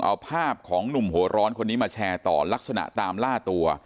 เอาภาพของหนุ่มหัวร้อนคนนี้มาแชร์ต่อลักษณะตามล่าตัว